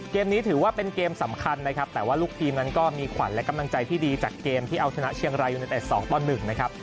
เกมนี้ถือว่าเป็นเกมสำคัญนะครับแต่ว่าลูกทีมนั้นก็มีขวัญและกำลังใจที่ดีจากเกมที่เอาชนะเชียงรายยูเนเต็ด๒ต่อ๑นะครับ